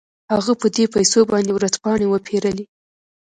هغه په دې پيسو باندې ورځپاڼې وپېرلې.